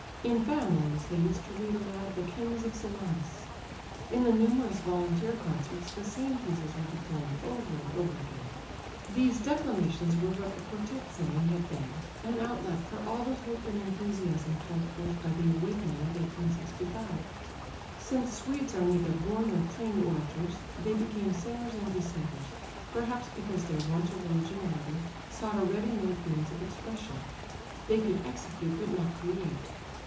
In families they used to read aloud "The Kings of Salamis." In the numerous volunteer concerts the same pieces were declaimed over and over again. These declamations were what the quartette singing had been, an outlet for all the hope and enthusiasm called forth by the awakening of 1865. Since Swedes are neither born nor trained orators, they became singers and reciters, perhaps because their want of originality sought a ready made means of expression. They could execute but not create.